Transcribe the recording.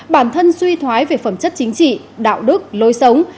bản thân suy thoái về phẩm chất chính trị đạo đức lối sống